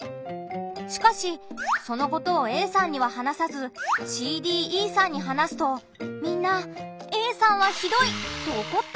しかしそのことをＡさんには話さずＣ・Ｄ・Ｅさんに話すとみんな「Ａさんはひどい」とおこった。